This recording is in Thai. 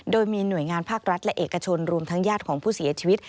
โดยมีหน่วยงานภาครัฐและเอกชนรวมทั้งญาติของผู้เสียชีวิต